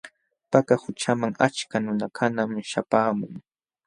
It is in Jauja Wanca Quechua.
Paka qućhaman achka nunakunam śhapaamun.